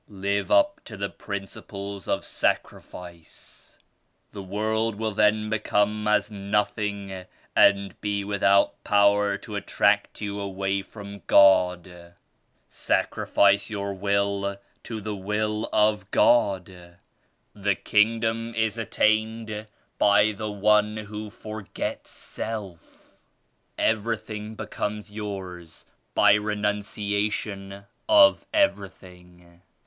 Live up to the principles of Sacrifice. The world will then become as noth ing and be without power to attract you away from God. Sacrifice your will to the Will of God. The Kingdom is attained by the one who forgets self. Everything becomes yours by Renunciation of everything.